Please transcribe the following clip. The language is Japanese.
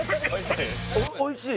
おいしい？